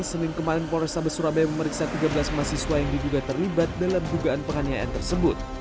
senin kemarin polrestabes surabaya memeriksa tiga belas mahasiswa yang diduga terlibat dalam dugaan penganiayaan tersebut